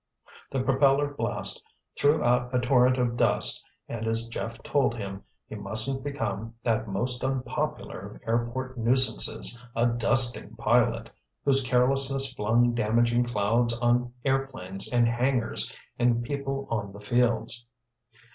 The propeller blast threw a torrent of dust and as Jeff told him, he mustn't become that most unpopular of airport nuisances, a "dusting pilot," whose carelessness flung damaging clouds on airplanes in hangars and people on the fields.